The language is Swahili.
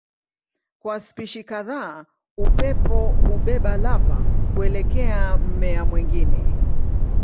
Kwa spishi kadhaa upepo hubeba lava kuelekea mmea mwingine.